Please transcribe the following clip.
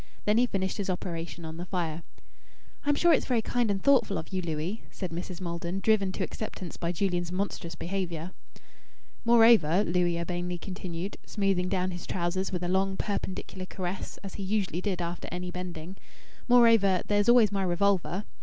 Then he finished his operation on the fire. "I'm sure it's very kind and thoughtful of you, Louis," said Mrs. Maldon, driven to acceptance by Julian's monstrous behaviour. "Moreover," Louis urbanely continued, smoothing down his trousers with a long perpendicular caress as he usually did after any bending "moreover, there's always my revolver."